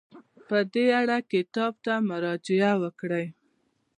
په دې اړه کتاب ته مراجعه وکړئ.